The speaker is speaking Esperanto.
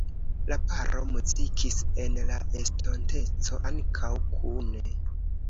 La paro muzikis en la estonteco ankaŭ kune.